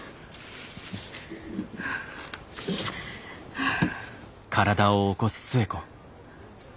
はあ。